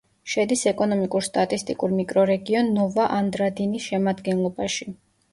შედის ეკონომიკურ-სტატისტიკურ მიკრორეგიონ ნოვა-ანდრადინის შემადგენლობაში.